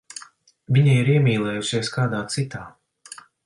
Viņa ir iemīlējusies kādā citā.